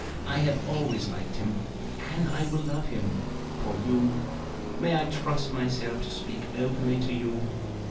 I have always liked him, and I will love him. For you, may I trust myself to speak openly to you?"